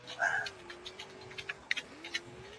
دا رجحان ځکه ډېر شو.